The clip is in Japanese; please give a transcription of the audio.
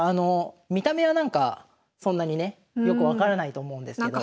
見た目はなんかそんなにねよく分からないと思うんですけど。